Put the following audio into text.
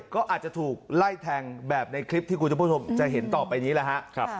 ก็อาจจะถูกไล่แทงแบบในคลิปที่คุณผู้ชมจะเห็นต่อไปนี้แหละฮะ